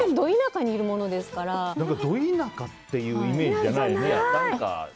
ド田舎ってイメージじゃないね。